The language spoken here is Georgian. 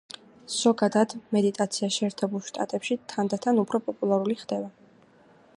ზოგადად, მედიტაცია შეერთებულ შტატებში თანდათან უფრო პოპულარული ხდება.